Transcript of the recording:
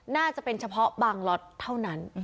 น่าจะเป็นเฉพาะบางล็อตเท่านั้น